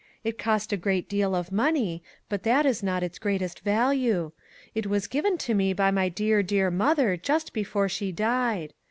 It cost a great deal of money, but that is not its greatest value. It was given to me by my dear, dear mother just before she died.